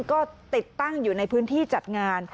ก็ติดตั้งอยู่ในพื้นที่จัดงาน